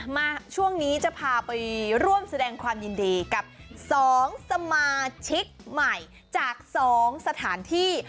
มาช่วงนี้จะพาไปร่วมแสดงความยินดีกับ๒สมาชิกใหม่จาก๒สถานที่